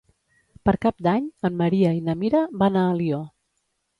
Per Cap d'Any en Maria i na Mira van a Alió.